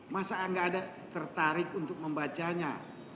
masa nggak ada tertarik untuk membacanya